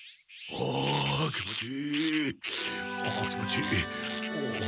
お気持ちいい！